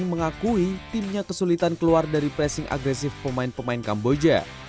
mengakui timnya kesulitan keluar dari pressing agresif pemain pemain kamboja